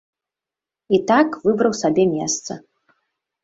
І так выбраў сабе месца.